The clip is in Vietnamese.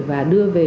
và đưa về